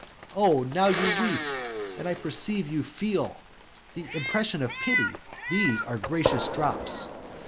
O, now you weep; and I perceive you feel The impression of pity; these are gracious drops.